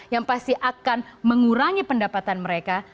yang pasti akan mengurangi pendapatan mereka